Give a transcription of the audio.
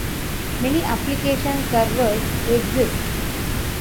Many application servers exist.